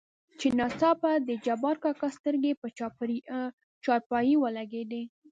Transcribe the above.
چې ناڅاپه دجبارکاکا سترګې په چارپايي ولګېدې.